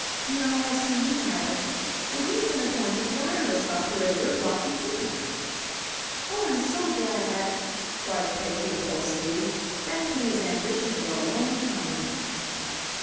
No, I see you haven't. Well, he's been appointed wireless operator at Rocky Point." "Oh, I'm so glad," cried Peggy, impulsively; "that's been his ambition for a long time."